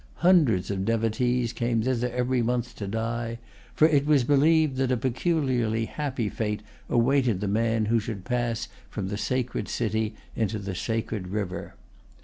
Hundreds of devotees came thither every month to die: for it was believed that a peculiarly happy fate awaited the man who should pass from the sacred city into the sacred river.